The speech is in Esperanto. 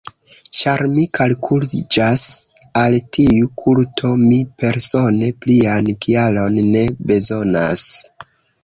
Ĉar mi kalkuliĝas al tiu kulto, mi persone plian kialon ne bezonas.